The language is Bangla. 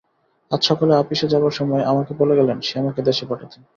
আজ সকালে আপিসে যাবার সময় আমাকে বলে গেলেন শ্যামাকে দেশে পাঠাতে।